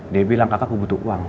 dia bilang kakak aku butuh uang